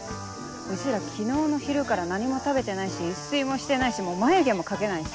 うちら昨日の昼から何も食べてないし一睡もしてないし眉毛も描けないしさ。